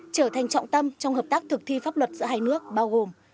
trở thành trọng tâm trong hợp tác thực thi pháp luật giữa hai nước bao gồm